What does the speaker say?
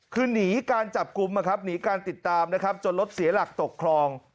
คือหนีการจับกลุ่มนะครับหนีการติดตามนะครับจนรถเสียหลักตกคลอง